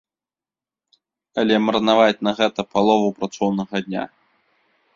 Але марнаваць на гэта палову працоўнага дня?